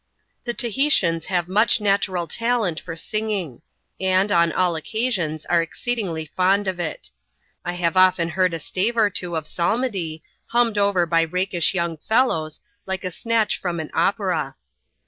The Tahitians have much natural talent for singing ; and, on all occasions, are exceedingly fond of it I have often heard a stave or two of psalmody, hummed over by rakish young fellows, like a snatch from an opera.